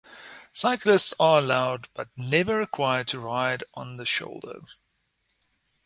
Cyclists are allowed but never required to ride on the shoulder.